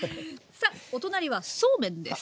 さあお隣はそうめんです。